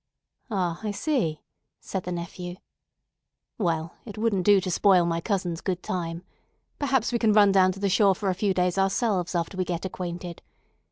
"Ah, I see," said the nephew. "Well, it wouldn't do to spoil my cousin's good time. Perhaps we can run down to the shore for a few days ourselves after we get acquainted.